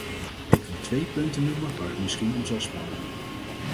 Ik wil twee punten noemen waar het misschien om zal spannen.